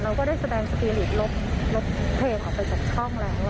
ก็ได้แสดงสปีริตรถเทออกไปจากช่องแล้ว